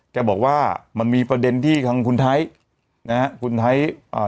แกบอกว่ามันมีประเด็นที่ทางคุณไทยนะฮะคุณไทยอ่า